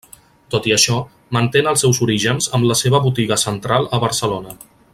Tot i això, mantén els seus orígens amb la seva botiga central a Barcelona.